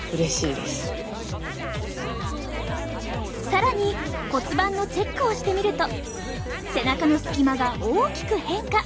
更に骨盤のチェックをしてみると背中の隙間が大きく変化。